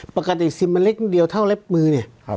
ปกติซิมมันเล็กนิดเดียวเท่าเล็บมือเนี่ย